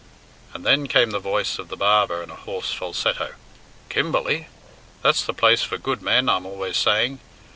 And then came the voice of the barber in a hoarse falsetto: "Kimberley! That's the place for good men I'm always saying.